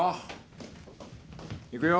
いくよ。